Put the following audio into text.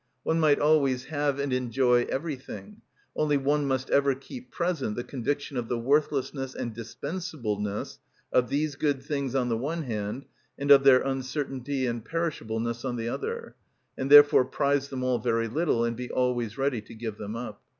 One might always have and enjoy everything; only one must ever keep present the conviction of the worthlessness and dispensableness of these good things on the one hand, and of their uncertainty and perishableness on the other, and therefore prize them all very little, and be always ready to give them up.